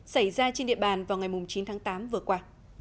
xảy ra trên địa bàn vào ngày chín tháng tám vừa qua